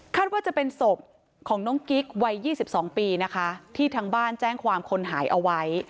ว่าจะเป็นศพของน้องกิ๊กวัย๒๒ปีนะคะที่ทางบ้านแจ้งความคนหายเอาไว้